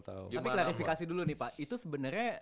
tapi klarifikasi dulu nih pak itu sebenarnya